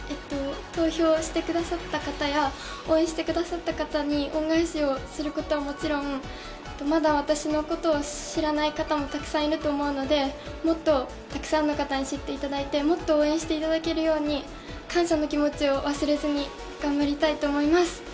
投票してくださった方や応援してくださった方に恩返しをすることはもちろん、まだ私のことを知らない方もたくさんいると思うのでもっとたくさんの方に知っていただいて、もっと応援していただけるように感謝の気持ちを忘れずに頑張りたいと思います。